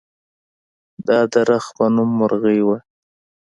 دا د رخ په نوم مرغۍ وه.